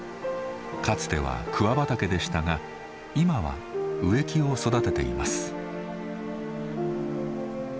かつては桑畑でしたが今は植木を育てています。